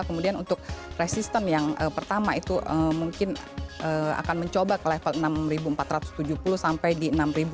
kemudian untuk resistem yang pertama itu mungkin akan mencoba ke level enam empat ratus tujuh puluh sampai di enam lima ratus